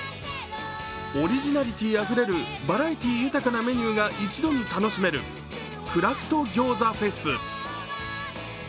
オリジナリティーあふれるバラエティー豊かなメニューが一度に楽しめるクラフト餃子フェス。